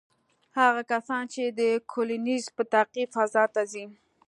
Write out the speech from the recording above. هغه کسان چې د کولینز په تعقیب فضا ته ځي،